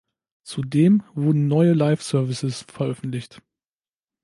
Zudem wurden neue Live-Services veröffentlicht.